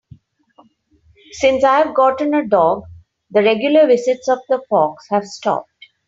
Since I've gotten a dog, the regular visits of the fox have stopped.